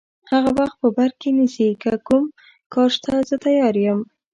هغه وخت په بر کې نیسي، که کوم کار شته زه تیار یم.